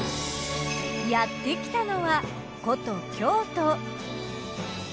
やってきたのは古都京都。